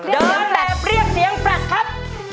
เดินแบบเรียกเสียงแฟลตครับ